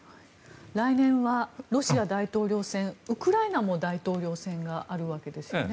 来年はロシア大統領選ウクライナも大統領選があるわけですよね。